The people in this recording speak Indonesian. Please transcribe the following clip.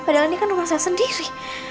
padahal ini kan rumah saya sendiri